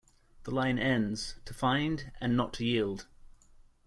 The line ends ...to find, and not to yield.